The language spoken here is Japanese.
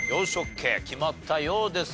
決まったようです。